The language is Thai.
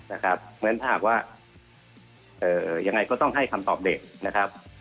เพราะฉะนั้นถ้าหากว่ายังไงก็ต้องให้คำตอบเด็กนะครับ